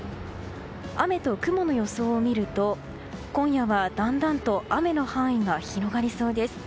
雨と雲の予想を見ると今夜はだんだんと雨の範囲が広がりそうです。